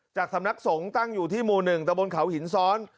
จากสำนักสงฆ์ตั้งอยู่ที่หมู่หนึ่งแต่บนเขาหินซ้อน